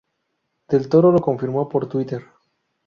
Del Toro lo confirmó por Twitter.